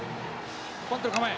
バントの構え。